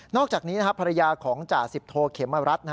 อกจากนี้ภรรยาของจ่าสิบโทเขมรัฐ